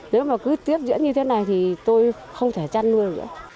nếu mà cứ tiếp diễn như thế này thì tôi không thể chăn nuôi nữa